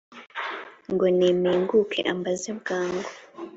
ngo nimpinguka ambaze bwangu,